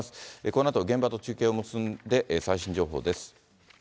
このあと、現場と中継を結んで、最新情報です。